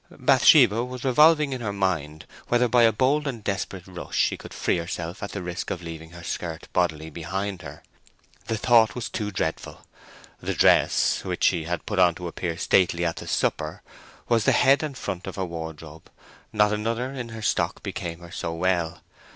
Bathsheba was revolving in her mind whether by a bold and desperate rush she could free herself at the risk of leaving her skirt bodily behind her. The thought was too dreadful. The dress—which she had put on to appear stately at the supper—was the head and front of her wardrobe; not another in her stock became her so well.